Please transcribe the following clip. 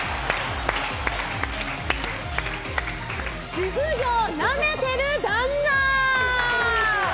主婦業ナメてる旦那！